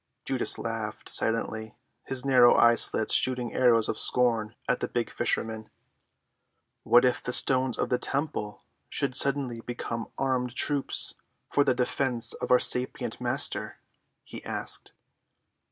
Judas laughed silently, his narrow eye‐slits shooting arrows of scorn at the big fisherman. "What if the stones of the temple should suddenly become armed troops for the defense of our sapient Master?" he asked.